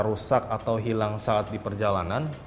rusak atau hilang saat di perjalanan